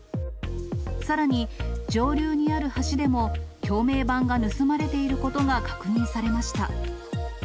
さらに、上流にある橋でも橋名板が盗まれていることが確認されました。